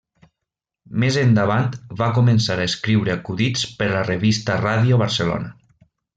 Més endavant va començar a escriure acudits per a la revista Ràdio Barcelona.